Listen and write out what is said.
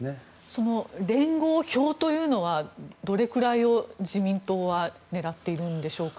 その連合票というのはどれくらいを自民党は狙っているのでしょうか。